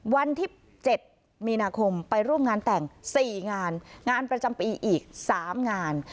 วันที่๗มีนาคมไปร่วมงานแต่ง๔งานงานประจำปีอีก๓งาน